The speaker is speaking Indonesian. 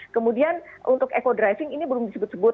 kemudian untuk eco driving ini belum disebut sebut